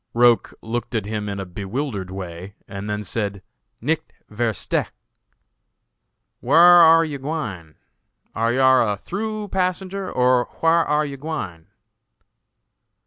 Roch looked at him in a bewildered way, and then said, "Nichts verstehe!_" Page 158.] "Whar are yar gwine? Are yar a through passenger, or whar are yar gwine?"